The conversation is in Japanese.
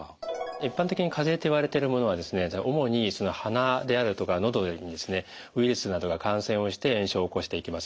一般的にかぜといわれているものは主に鼻であるとかのどにウイルスなどが感染をして炎症を起こしていきます。